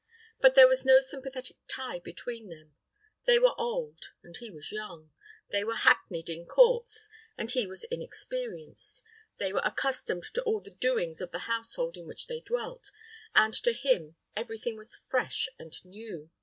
But there was no sympathetic tie between them; they were old, and he was young; they were hackneyed in courts, and he was inexperienced; they were accustomed to all the doings of the household in which he dwelt, and to him every thing was fresh and new.